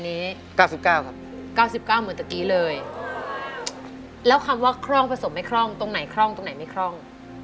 ดีเลยแล้วคำว่าคร่องผสมไม่คร่องตรงไหนคร่องตรงไหนไม่คร่อง